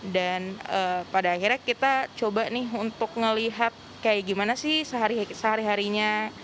dan pada akhirnya kita coba nih untuk ngelihat kayak gimana sih sehari harinya